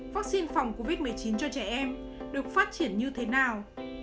vaccine phòng covid một mươi chín cho trẻ em được phát triển như thế nào